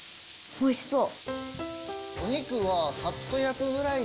おいしそう！